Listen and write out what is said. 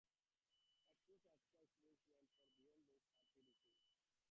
But Post's etiquette books went far beyond those of her predecessors.